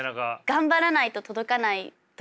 頑張らないと届かないところで。